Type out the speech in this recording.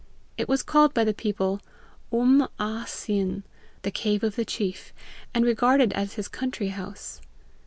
It was called by the people uamh an ceann, the cave of the chief, and regarded as his country house.